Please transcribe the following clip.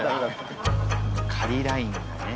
仮ラインがね。